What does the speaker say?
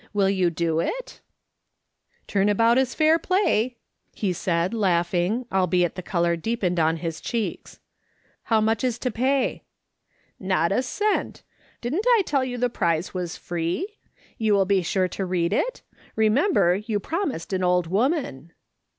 Will you do it ?"" Turn about is fair play," he said, laughing, albeit the colour deepened in his cheeks ;" how much is to pay?" " Not a cent. Didn't I tell you the prize was free ? You will ])e sure to read it ? liem ember, you promised an old woman."